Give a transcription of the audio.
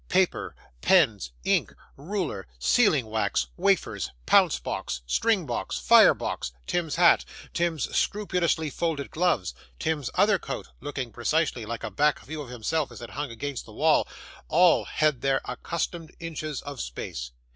Paper, pens, ink, ruler, sealing wax, wafers, pounce box, string box, fire box, Tim's hat, Tim's scrupulously folded gloves, Tim's other coat looking precisely like a back view of himself as it hung against the wall all had their accustomed inches of space.